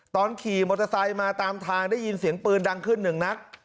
ตอนขี่มอเตอร์ไซค์มาตามทางได้ยินเสียงปืนดังขึ้นหนึ่งนัด